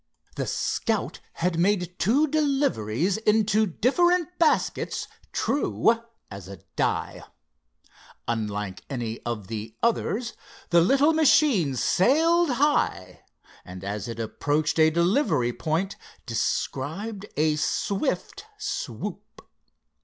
The Scout had made two deliveries into different baskets true as a die. Unlike any of the others, the little machine sailed high, and as it approached a delivery point described a swift swoop.